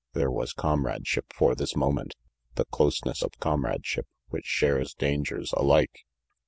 There was comradeship for this moment, the closeness of comradeship which shares dangers alike.